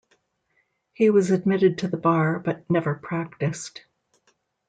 He was admitted to the bar, but never practised.